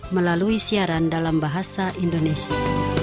melalui siaran dalam bahasa indonesia